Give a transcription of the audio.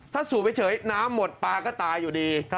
ถ้าสูบเฉยน้ำหมดปลาก็ตายอยู่ดี